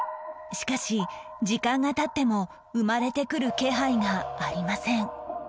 しかし時間が経っても生まれてくる気配がありません